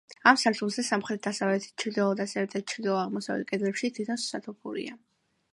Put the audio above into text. ამ სართულზე სამხრეთ-დასავლეთ, ჩრდილო-დასავლეთ და ჩრდილო-აღმოსავლეთ კედლებში თითო სათოფურია.